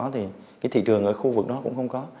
thì cái thị trường ở khu vực đó cũng không có